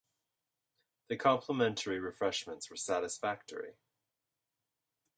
The complimentary refreshments were satisfactory.